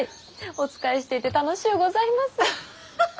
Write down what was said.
お仕えしていて楽しゅうございます。